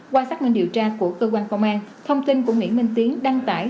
qua xác minh điều tra của cơ quan công an thông tin của nguyễn minh tiến đăng tải